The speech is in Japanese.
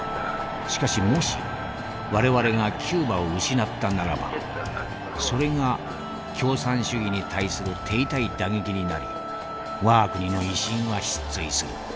しかしもし我々がキューバを失ったならばそれが共産主義に対する手痛い打撃になり我が国の威信は失墜する。